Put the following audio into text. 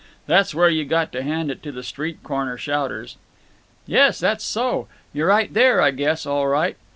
That's where you got to hand it to the street corner shouters." "Yes, that's so. Y' right there, I guess, all right."